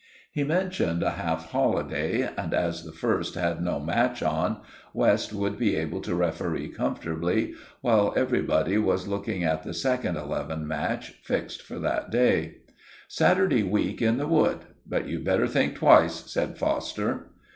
He mentioned a half holiday, and as the first had no match on, West would be able to referee comfortably, while everybody was looking at the second eleven match fixed for that day. "Saturday week in the wood; but you'd better think twice," said Foster.